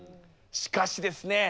しかしですね